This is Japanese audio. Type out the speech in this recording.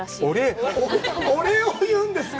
お礼を言うんですか！？